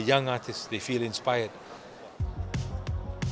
artis muda mereka terpaksa